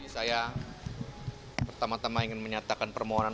saya pertama tama ingin menyatakan permohonan